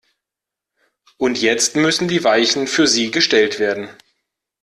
Und jetzt müssen die Weichen für sie gestellt werden.